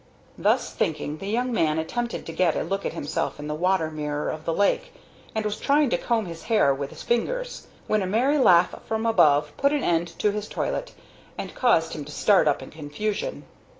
Thus thinking, the young man attempted to get a look at himself in the water mirror of the lake, and was trying to comb his hair with his fingers, when a merry laugh from above put an end to his toilet and caused him to start up in confusion.